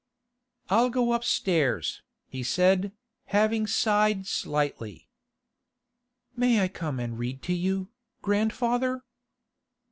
'I'll go upstairs,' he said, having sighed slightly. 'May I come and read to you, grandfather?